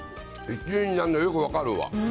１位になるのよく分かるわ。